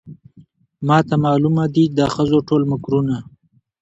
ماته معلومه دي د ښځو ټول مکرونه